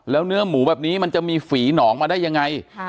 แล้วเนื้อหมูแบบนี้มันจะมีฝีหนองมาได้ยังไง